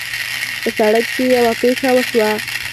په سړک کې یوه پېښه وشوه